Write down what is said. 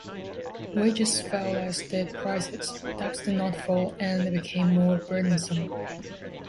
Wages fell as did prices; debts did not fall and they became more burdensome.